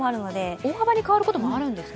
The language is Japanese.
大幅に変わることもあるんですね。